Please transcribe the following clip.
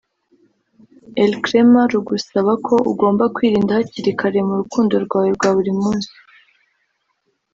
Elcrema rugusaba ko ugomba kwirinda hakiri kare mu rukundo rwawe rwa buri munsi